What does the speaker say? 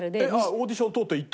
オーディション通って行ったの？